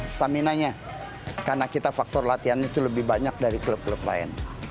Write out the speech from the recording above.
stamina nya karena kita faktor latihan itu lebih banyak dari klub klub lain